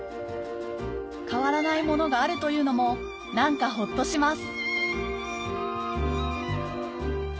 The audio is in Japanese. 変わらないものがあるというのも何かホッとします